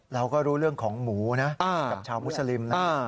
เราก็รู้เรื่องของหมูนะกับชาวมุสลิมนะ